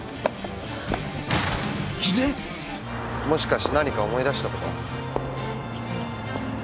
もしかして何か思い出したとか？